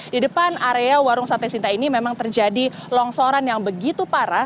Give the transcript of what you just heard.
di depan area warung sate sinta ini memang terjadi longsoran yang begitu parah